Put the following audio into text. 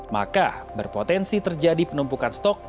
maka berpotensi terjadi penumpukan stok